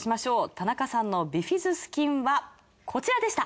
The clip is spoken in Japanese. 田中さんのビフィズス菌はこちらでした。